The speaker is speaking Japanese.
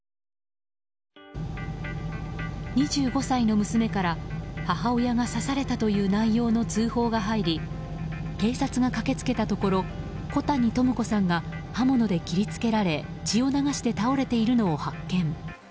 ２５歳の娘から母親が刺されたという内容の通報が入り警察が駆け付けたところ小谷朋子さんが刃物で切り付けられ血を流して倒れているのを発見。